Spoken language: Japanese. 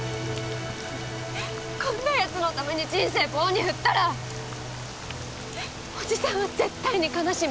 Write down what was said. こんな奴のために人生棒に振ったらおじさんは絶対に悲しむ。